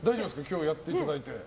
今日やっていただいて。